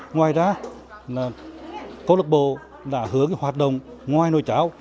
ngoài ra là câu lạc bộ đã hứa hoạt động ngoài nuôi cháo